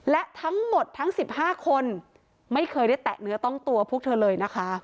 และทั้งหมดทั้ง๑๕คนไม่เคยได้แตะเนื้อต้องตัวพวกเธอเลยนะคะ